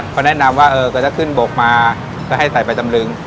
เขาแนะนำว่าเออก็จะขึ้นบกมาก็ให้ใส่ไปจำลึง